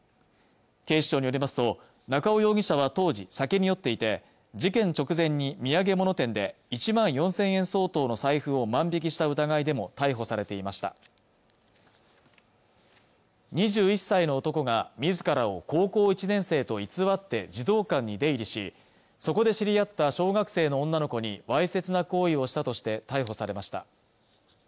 警視庁によりますと中尾容疑者は当時酒に酔っていて事件直前に土産物店で１万４０００円相当の財布を万引きした疑いでも逮捕されていました２１歳の男が自らを高校１年生と偽って児童館に出入りしそこで知り合った小学生の女の子にわいせつな行為をしたとして逮捕されました